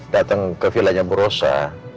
dateng ke villanya bu rosa